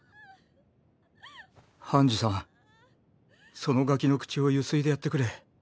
ハンジさんそのガキの口をゆすいでやってくれ。